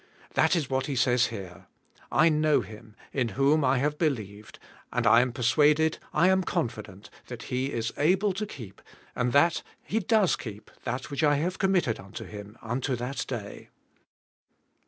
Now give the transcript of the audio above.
That is what he says here, "I know Him, in whom I have be lieved, and I am persuaded, I am confident, that He is able to keep, and that He does keep that which I have committed unto Him unto that day."